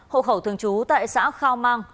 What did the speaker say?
hộ khẩu thường trú tại xã khao mang